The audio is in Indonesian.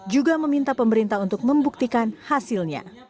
juga meminta pemerintah untuk membuktikan hasilnya